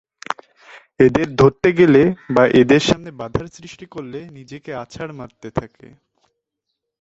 এদের ধরতে গেলে বা এদের সামনে বাধার সৃষ্টি করলে নিজেকে আছাড় মারতে থাকে।